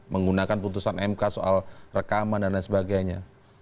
menggunakan putusan mk soal rekaman dan lain sebagainya